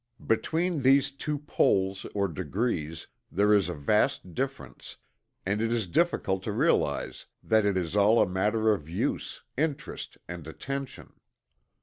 Between these two poles or degrees there is a vast difference, and it is difficult to realize that it is all a matter of use, interest and attention.